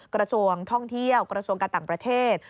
กระทรวงท่องเที่ยวกระทรวงการต่างประเทศ